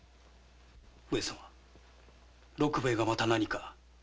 上様六兵ヱがまた何か？